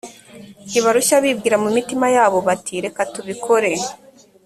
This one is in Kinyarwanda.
ntibarushya bibwira mu mitima yabo bati reka tubikore